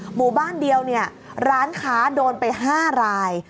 หมู่บ้านเดียวเนี่ยร้านค้าโดนไป๕ราย